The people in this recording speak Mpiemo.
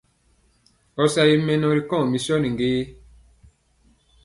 Ɔ sa ye mɛnɔ ri kɔŋ mison gé?